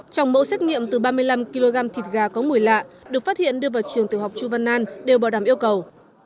trong mẫu xét nghiệm từ ba mươi năm kg thịt gà có mùi lạ được phát hiện đưa vào trường tiểu học chu văn an đều bảo đảm yêu cầu